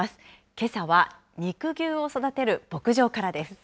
けさは、肉牛を育てる牧場からです。